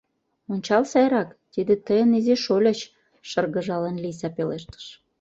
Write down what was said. — Ончал сайрак, тиде тыйын изи шольыч, — шыргыжалын Лийса пелештыш.